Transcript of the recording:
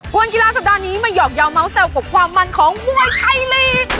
วนกีฬาสัปดาห์นี้มาหอกยาวเมาสแซวกับความมันของมวยไทยลีก